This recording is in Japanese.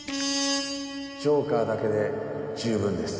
ジョーカーだけで十分です。